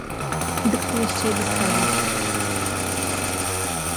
Дык ты яшчэ і без таленту!